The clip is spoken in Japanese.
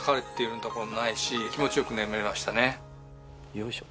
よいしょ。